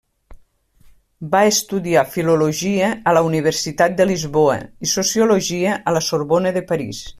Va estudiar filologia a la Universitat de Lisboa i sociologia a la Sorbona de París.